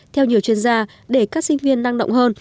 theo nhiều chuyên gia để các sinh viên năng động hơn